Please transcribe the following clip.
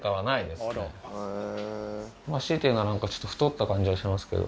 強いて言うならちょっと太った感じはしますけど。